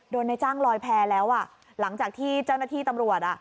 ในจ้างลอยแพ้แล้วอ่ะหลังจากที่เจ้าหน้าที่ตำรวจอ่ะ